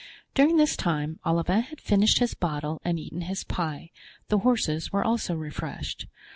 During this time Olivain had finished his bottle and eaten his pie; the horses were also refreshed.